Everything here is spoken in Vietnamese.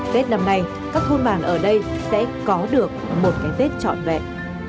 tết năm nay các thôn bản ở đây sẽ có được một cái tết trọn vẹn